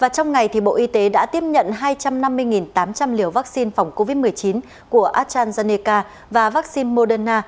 trong ngày bộ y tế đã tiếp nhận hai trăm năm mươi tám trăm linh liều vaccine phòng covid một mươi chín của astrazeneca và vaccine moderna